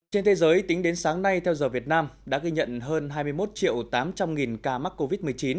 trên thế giới tính đến sáng nay theo giờ việt nam đã ghi nhận hơn hai mươi một triệu tám trăm linh nghìn ca mắc covid một mươi chín